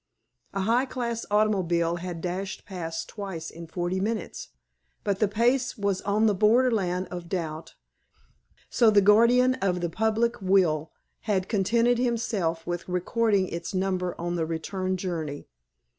A high class automobile had dashed past twice in forty minutes, but the pace was on the borderland of doubt, so the guardian of the public weal had contented himself with recording its number on the return journey.